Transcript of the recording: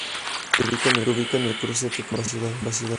Se ubica en el cruce que conduce a ambas ciudades.